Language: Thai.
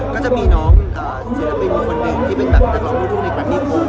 ก็จะมีน้องศิลปินคนหนึ่งที่เป็นแบบแบบลองรู้สึกในการมีโครง